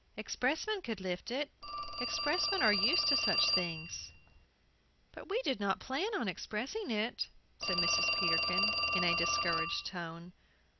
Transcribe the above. "Expressmen could lift it. Expressmen were used to such things." "But we did not plan expressing it," said Mrs. Peterkin, in a discouraged tone.